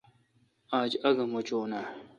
آج آگہ مُچہ آ؟